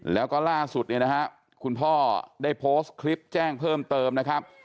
แล้วก็ล่าสุดเนี่ยนะฮะคุณพ่อได้โพสต์คลิปแจ้งเพิ่มเติมนะครับ